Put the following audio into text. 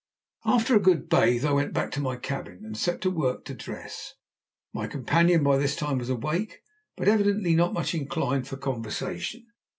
After a good bathe I went back to my cabin and set to work to dress. My companion by this time was awake, but evidently not much inclined for conversation.